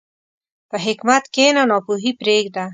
په حکمت کښېنه، ناپوهي پرېږده.